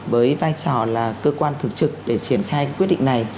với vai trò là cơ quan thực trực để triển khai quyết định này